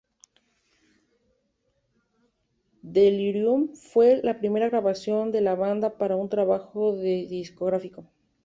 Delirium fue la primera grabación de la banda para un trabajo discográfico.